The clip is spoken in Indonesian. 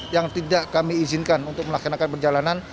yang tidak kami izinkan untuk melaksanakan perjalanan